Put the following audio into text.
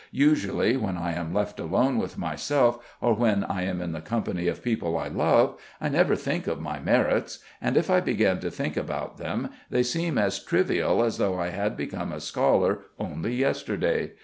Usually, when I am left alone with myself or when I am in the company of people I love, I never think of my merits; and if I begin to think about them they seem as trivial as though I had become a scholar only yesterday.